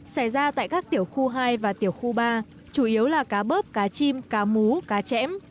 xảy ra tại các tiểu khu hai và tiểu khu ba chủ yếu là cá bớp cá chim cá mú cá chẽm